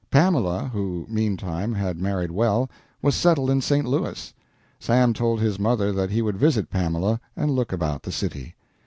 Pamela, who, meantime, had married well, was settled in St. Louis. Sam told his mother that he would visit Pamela and look about the city.